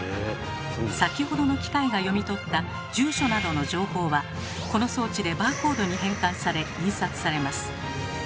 先ほどの機械が読み取った住所などの情報はこの装置でバーコードに変換され印刷されます。